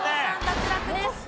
脱落です。